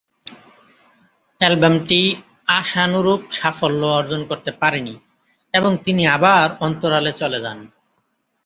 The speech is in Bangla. অ্যালবামটি আশানুরূপ সাফল্য অর্জন করতে পারেনি এবং তিনি আবার অন্তরালে চলে যান।